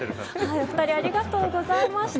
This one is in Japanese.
お２人、ありがとうございました。